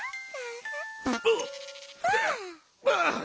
ああ！